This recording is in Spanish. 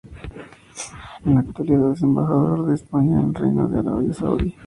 En la actualidad es Embajador de España en el Reino de Arabia Saudí.